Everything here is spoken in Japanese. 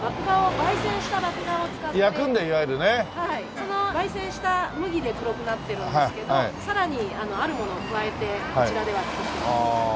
その焙煎した麦で黒くなってるんですけどさらにあるものを加えてこちらでは造ってます。